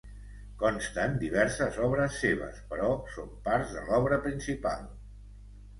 Consten diverses obres seves però són parts de l'obra principal.